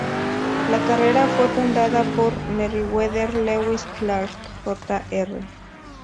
La carrera fue fundada por Meriwether Lewis Clark Jr.